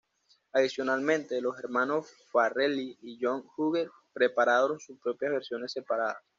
Adicionalmente, los hermanos Farrelly y John Hughes prepararon sus propias versiones separadas.